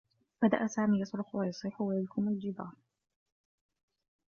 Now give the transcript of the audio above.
بدأ سامي يصرخ و يصيح و يلكم الجدار.